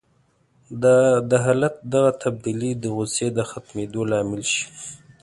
د حالت دغه تبديلي د غوسې د ختمېدو لامل شي.